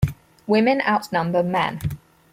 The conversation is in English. Women outnumber men.